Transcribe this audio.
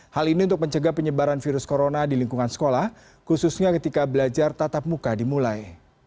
hal ini untuk mencegah penyebaran virus corona di lingkungan sekolah khususnya ketika belajar tatap muka dimulai